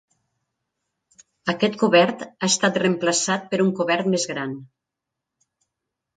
Aquest cobert ha estat reemplaçat per un cobert més gran.